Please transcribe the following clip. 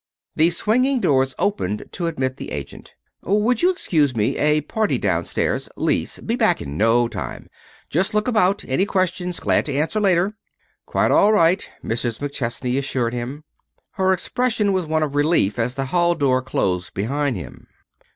The swinging door opened to admit the agent. "Would you excuse me? A party down stairs lease be back in no time. Just look about any questions glad to answer later " "Quite all right," Mrs. McChesney assured him. Her expression was one of relief as the hall door closed behind him.